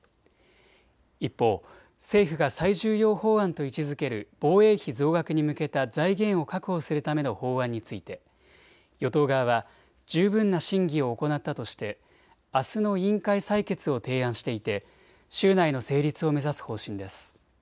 一方、政府が最重要法案と位置づける防衛費増額に向けた財源を確保するための法案について与党側は十分な審議を行ったとしてあすの委員会採決を提案していて週内の成立を目指す方針です。